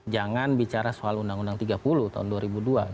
jangan bicara soal undang undang tiga puluh tahun dua ribu dua